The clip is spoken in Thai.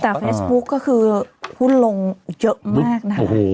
แต่เฟซบุ๊กก็คือพูดลงเยอะมากนะครับ